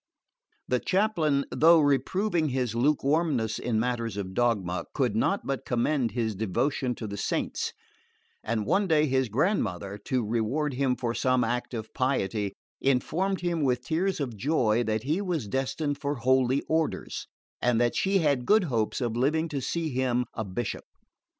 The chaplain, though reproving his lukewarmness in matters of dogma, could not but commend his devotion to the saints; and one day his grandmother, to reward him for some act of piety, informed him with tears of joy that he was destined for holy orders, and that she had good hopes of living to see him a bishop.